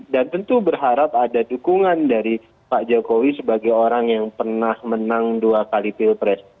dan tentu berharap ada dukungan dari pak jokowi sebagai orang yang pernah menang dua kali pilpres